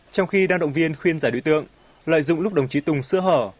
trong khi đang động viên khuyên giải đối tượng lợi dụng lúc đồng chí tùng sơ hở